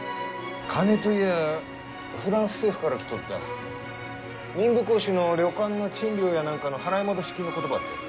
金といやぁフランス政府から来とった民部公子の旅館の賃料やなんかの払い戻し金のことばってん。